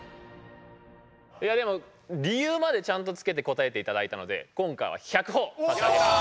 いやでも理由までちゃんとつけて答えていただいたので今回は１００ほぉ差し上げます。